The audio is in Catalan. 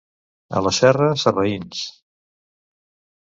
A la Serra, sarraïns.